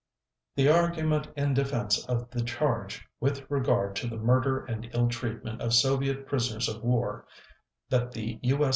The argument in defense of the charge with regard to the murder and ill treatment of Soviet prisoners of war, that the U.